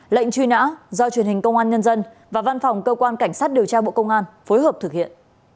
lệnh truy nã do truyền hình công an nhân dân và văn phòng cơ quan cảnh sát điều tra bộ công an phối hợp thực hiện